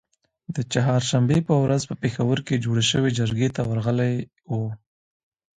د چهارشنبې په ورځ په پیښور کې جوړی شوې جرګې ته ورغلي وو